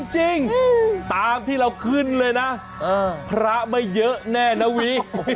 จริงตามที่เราขึ้นเลยนะพระไม่เยอะแน่นะวิ